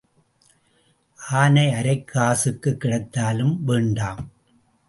ஆனை அரைக் காசுக்குக் கிடைத்தாலும் வேண்டாம்.